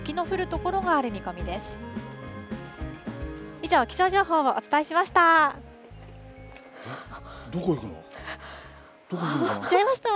以上、気象情報をお伝えしました。